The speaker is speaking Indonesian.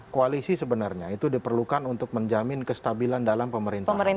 koalisi sebenarnya itu diperlukan untuk menjamin kestabilan dalam pemerintahan